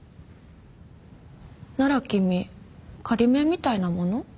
なら君仮免みたいなもの？